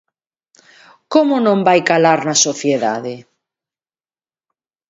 Como non vai calar na sociedade?